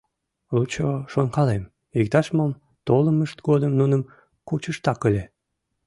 Лучо, шонкалем, иктаж-мом толымышт годым нуным кучыштак ыле...